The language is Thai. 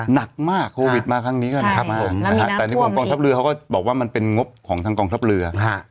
หนักมากโควิดมาครั้งนี้ก็นะครับผมแต่นี่กองทัพเรือเขาก็บอกว่ามันเป็นงบของทางกองทัพเรือ